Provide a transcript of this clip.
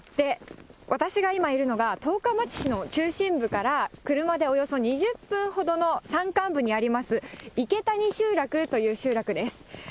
私が今いるのが、十日町市の中心部から車でおよそ２０分ほどの山間部にあります、いけたに集落という集落です。